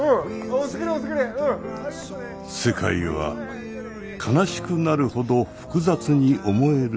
世界は悲しくなるほど複雑に思える日もあれば。